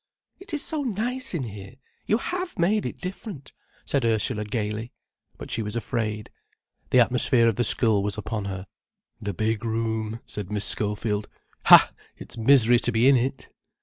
"It is so nice in here, you have made it different," said Ursula gaily. But she was afraid. The atmosphere of the school was upon her. "The big room," said Miss Schofield, "ha, it's misery to be in it!"